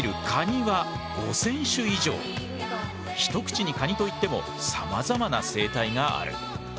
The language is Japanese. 一口にカニといってもさまざまな生態がある。